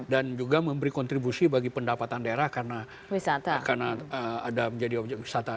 dan juga memberi kontribusi bagi pendapatan daerah karena ada menjadi objek wisata